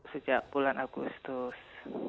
sejak bulan agustus